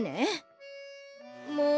もう！